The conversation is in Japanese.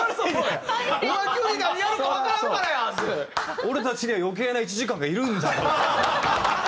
「俺たちには余計な１時間がいるんだよ」。